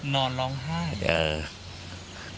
นอนร้องไห้อืม